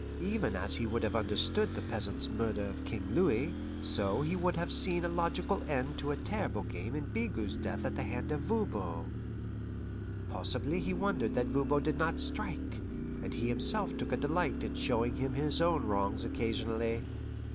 Even as he would have understood the peasant's murder of King Louis, so he would have seen a logical end to a terrible game in Bigot's death at the hand of Voban. Possibly he wondered that Voban did not strike, and he himself took a delight in showing him his own wrongs occasionally.